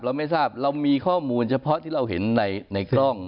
เราไม่ทราบเรามีข้อมูลเฉพาะที่เราเห็นในกล้อง